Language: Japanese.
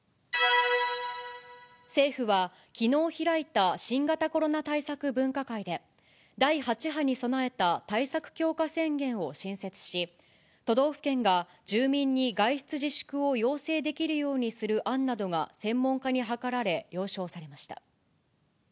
政府は、きのう開いた新型コロナ対策分科会で、第８波に備えた対策強化宣言を新設し、都道府県が住民に外出自粛を要請できるようにする案などが専門家に諮られ、了承されました。